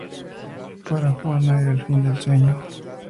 Para Juana era el fin del sueño.